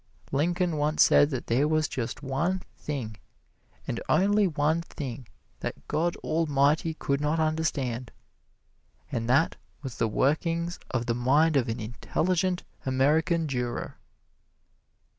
Lincoln once said that there was just one thing, and only one thing, that God Almighty could not understand: and that was the workings of the mind of an intelligent American juror.